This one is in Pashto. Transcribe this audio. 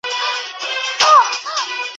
در نیژدې ستا تر خپل ځان یم ستا تر روح تر نفسونو